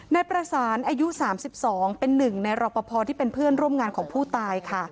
นายประสานอายุ๓๒เป็นหนึ่งในรอปภที่เป็นเพื่อนร่วมงานของผู้ตายค่ะ